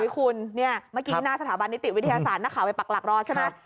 คุณเมื่อกี้หน้าสถาบันนิติวิทยาศาสตร์นักข่าวไปปักหลักรอใช่ไหม